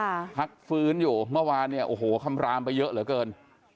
พักฟื้นอยู่เมื่อวานเนี่ยโอ้โหคำรามไปเยอะเหลือเกิน